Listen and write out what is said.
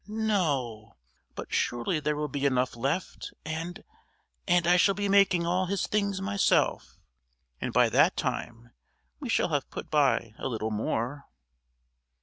"No, but surely there will be enough left and and I shall be making all his things myself and by that time we shall have put by a little more."